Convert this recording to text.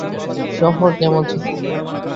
সফর কেমন ছিল?